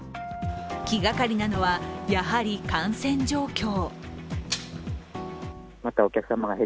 気がかりなのは、やはり感染状況。